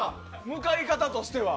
向かい方としては。